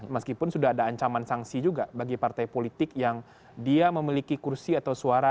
meskipun sudah ada ancaman sanksi juga bagi partai politik yang dia memiliki kursi atau suara